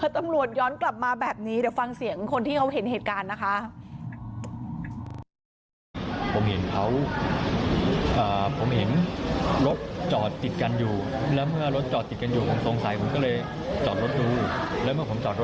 ตำรวจย้อนกลับมาแบบนี้เดี๋ยวฟังเสียงคนที่เขาเห็นเหตุการณ์นะคะ